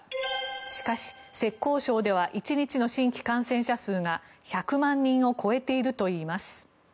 しかし、浙江省では１日の新規感染者数が１００万人を超えているといいます。